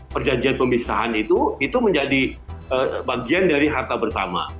perjanjian pemisahan itu itu menjadi bagian dari harta bersama